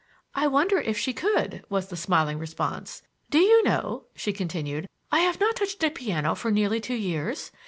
"I wonder if she could?" was the smiling response. "Do you know," she continued, "I have not touched a piano for nearly two years?